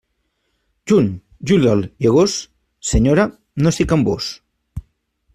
Juny, juliol i agost, senyora, no estic amb vós.